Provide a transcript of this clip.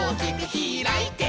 「ひらいて」